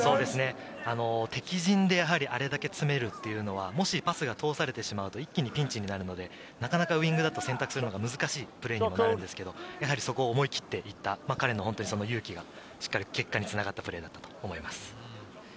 敵陣であれだけつめるっていうのは、もしパスが通されてしまうと一気にピンチになるので、なかなかウイングだと選択するのが難しいプレーになるんですけれど、そこを思い切っていった彼の勇気が結果につながったと思います。